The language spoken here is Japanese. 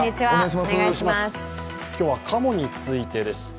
今日はかもについてです。